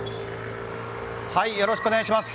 よろしくお願いします。